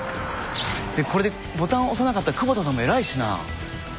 これでボタン押さなかった久保田さんも偉いしな。